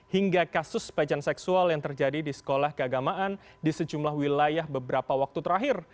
hingga kasus pelecehan seksual yang terjadi di sekolah keagamaan di sejumlah wilayah beberapa waktu terakhir